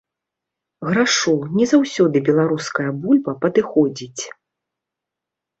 Грашу, не заўсёды беларуская бульба падыходзіць.